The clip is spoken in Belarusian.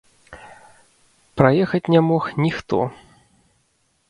Праехаць не мог ніхто.